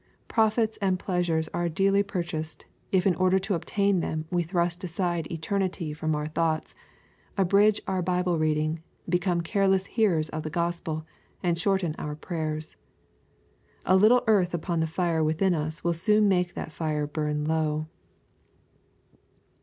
Profits and pleasures are dearly pur chased, if in order to obtain them we thrust aside eterDity from our thoughts, abridge our Bible reading, become careless hearers of the Gospel, and shorten our prayers. A little earth upon the fire within us will soon make that fire burn low.